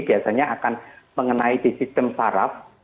biasanya akan mengenai di sistem saraf